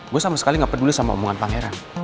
gue sama sekali gak peduli sama omongan pangeran